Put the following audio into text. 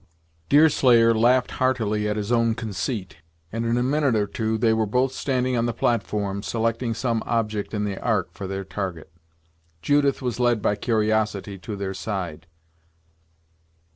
Deerslayer laughed heartily at his own conceit, and, in a minute or two, they were both standing on the platform, selecting some object in the Ark for their target. Judith was led by curiosity to their side.